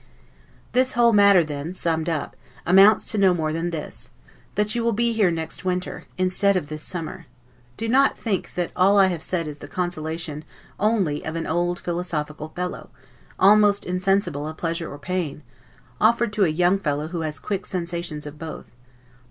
This whole matter then, summed up, amounts to no more than this that you will be here next winter, instead of this summer. Do not think that all I have said is the consolation only of an old philosophical fellow, almost insensible of pleasure or pain, offered to a young fellow who has quick sensations of both.